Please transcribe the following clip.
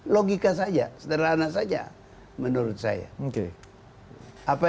logika saja sederhana saja menurut saya